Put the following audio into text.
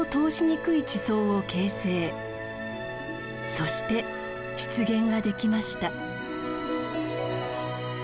そして湿原ができました。